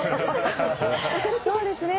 そうですね。